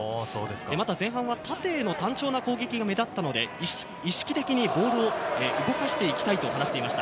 また前半は縦への単調な攻撃が目立ったので、意識的にボールを動かしていきたいと話していました。